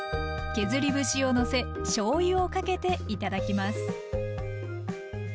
削り節をのせしょうゆをかけて頂きます。